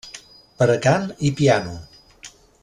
Per a cant i piano.